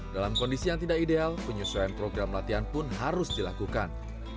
dalam kondisi yang tidak ideal penyesuaian program latihan pun harus dilakukan